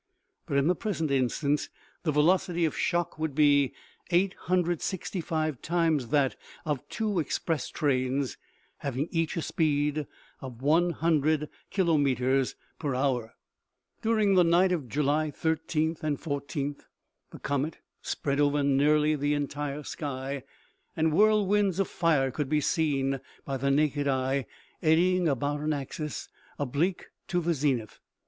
But in the present instance the velocity of shock would be 865 times that of two express trains having each a speed of one hundred kilometers per hour. OMEGA. 167 During the night of July 13 14, the comet spread over nearly the entire sky, and whirlwinds of fire could be seen by the naked eye, eddying about an axis oblique to the zenith.